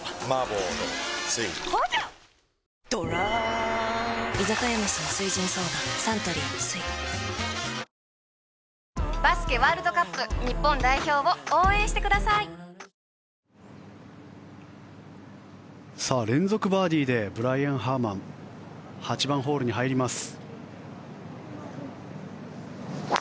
ドランサントリー「翠」連続バーディーでブライアン・ハーマン８番ホールに入ります。